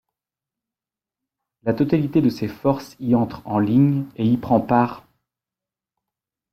La totalité de ses forces y entre en ligne et y prend part.